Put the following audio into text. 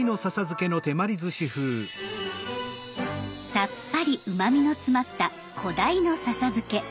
さっぱりうまみの詰まった小鯛の笹漬け。